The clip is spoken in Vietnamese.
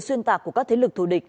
xuyên tạc của các thế lực thù địch